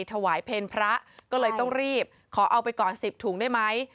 ถวายเพลพระก็เลยต้องรีบขอเอาไปก่อน๑๐ถุงได้ไหม